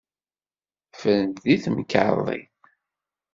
Ffrent deg temkarḍit.